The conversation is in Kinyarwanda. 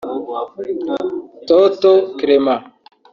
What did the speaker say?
Toto Clement